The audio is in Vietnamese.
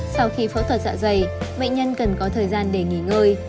sau khi phẫu thuật dạ dày bệnh nhân cần có thời gian để nghỉ ngơi